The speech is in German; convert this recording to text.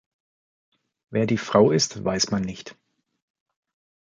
Wer die Frau ist, weiß man nicht.